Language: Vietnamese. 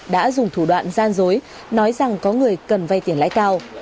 đã dùng thủ đoạn gian dối nói rằng có người cần vay tiền lãi cao